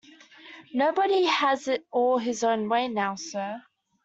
Nobody has it all his own way now, sir.